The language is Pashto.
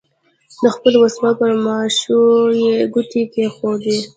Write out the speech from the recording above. د خپلو وسلو پر ماشو یې ګوتې کېښودې.